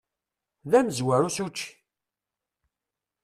D amezwaru s učči!